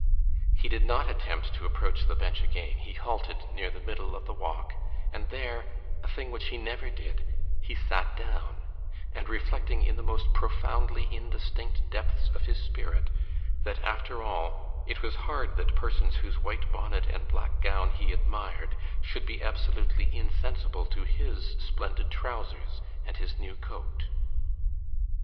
He did not attempt to approach the bench again; he halted near the middle of the walk, and there, a thing which he never did, he sat down, and reflecting in the most profoundly indistinct depths of his spirit, that after all, it was hard that persons whose white bonnet and black gown he admired should be absolutely insensible to his splendid trousers and his new coat.